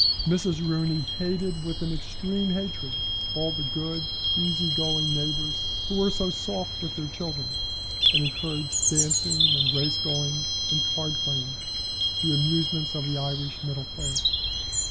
Mrs. Rooney hated with an extreme hatred all the good, easy going neighbours who were so soft with their children, and encouraged dancing, and race going and card playing the amusements of the Irish middle classes.